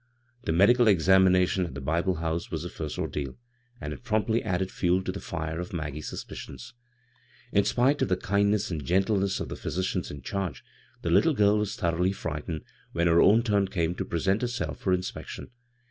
The medical examination at the Bible House was the first ordeal, and it promptly added fuel to the fire of Maggie's suspicions. bvGoog[c CROSS CURRENTS In spite of the kindness and gentleness of the phy^cians in charge, the little girl was thor oughly frightened when her own turn came to present herself for inspection.